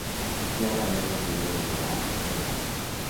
Piar había conseguido liberar Guayana.